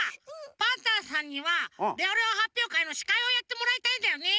パンタンさんにはレオレオはっぴょうかいのしかいをやってもらいたいんだよね。